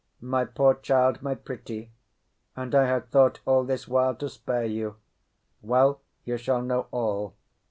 "My poor child—my pretty. And I had thought all this while to spare you! Well, you shall know all.